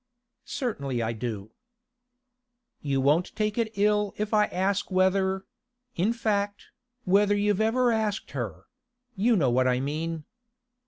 'Certainly I do.' 'You won't take it ill if I ask whether—in fact, whether you've ever asked her—you know what I mean.